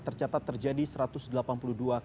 tercatat terjadi seringkali